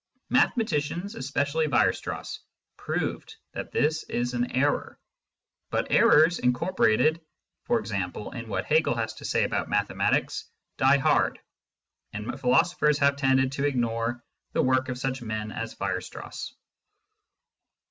Mathematicians (especially Weierstrass) proved that this is an error ; but errors incorporated, e.g. in what Hegel has to say about mathematics, die hard, and philosophers have tended to ignore the work of such men as Weierstrass.